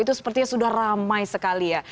itu sepertinya sudah ramai sekali ya